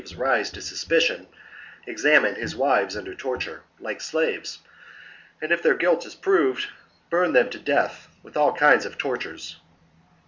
C. rise to suspicion, examine his wives under torture, like slaves, and, if their guilt is proved, burn them to death with all kinds of tortures.^ Funerals.